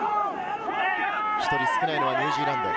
１人少ないのはニュージーランド。